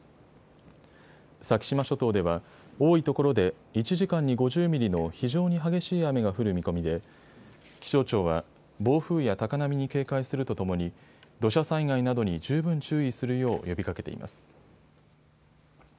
先島諸島では多いところで１時間に５０ミリの非常に激しい雨が降る見込みで気象庁は暴風や高波に警戒するとともに土砂災害などに十分注意するよう呼びかけています。